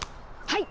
はい！